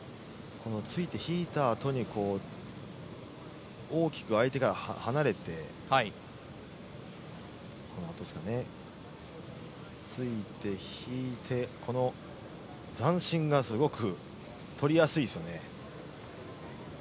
この突いて引いたあとに大きく相手から離れて突いて引いてこの残心がすごく取りやすいですよね。